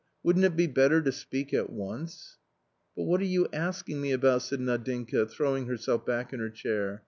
wouldn't it be better to speak at once ?" "But what are you asking me about?" said Nadinka, throwing herself back in her chair.